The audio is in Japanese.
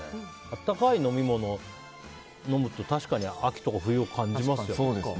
温かい飲み物飲むと確かに秋とか冬を感じますよね。